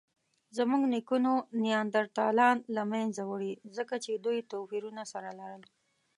زموږ نیکونو نیاندرتالان له منځه وړي؛ ځکه چې دوی توپیرونه سره لرل.